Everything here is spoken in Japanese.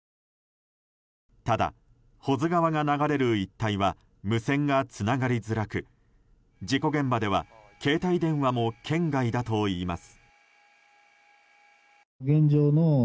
ただ、保津川が流れる一帯は無線がつながりづらく事故現場では、携帯電話も圏外だといいます。